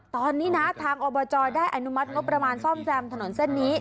ตอนนี้นะทางอบจได้อนุมัติงบประมาณซ่อมแซมถนนเส้นนี้